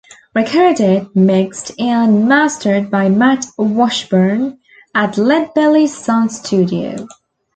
Recorded, mixed, and mastered by Matt Washburn at LedBelly Sound Studio.